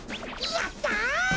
やった！